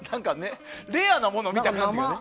レアなもの見た感じね。